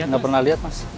gak pernah liat